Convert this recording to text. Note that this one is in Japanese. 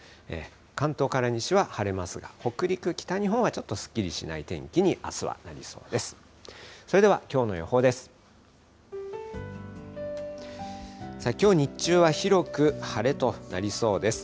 関東から西は晴れますが、北陸、北日本はすっきりしない天気にあすはなりそうです。